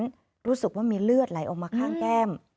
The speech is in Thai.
รู้สึกว่ามีเลือดไหลออกมาข้างแก้ม